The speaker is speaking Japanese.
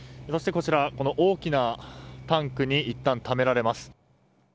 こちら、大きなタンクにいったん貯められます。